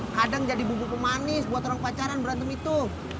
kadang jadi bubuk pemanis buat orang pacaran berantem itu